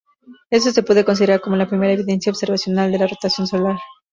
Esto se puede considerar como la primera evidencia observacional de la rotación solar.